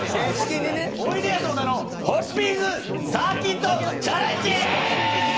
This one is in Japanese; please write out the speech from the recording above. おいでやす小田のホッピングサーキットチャレンジ！